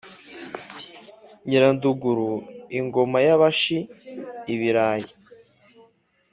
Nyiranduguru ingoma y'abashi-Ibirayi.